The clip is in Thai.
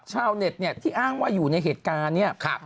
ชาวเน็ตเนี่ยที่อ้างว่าอยู่ในเหตุการณ์เนี่ย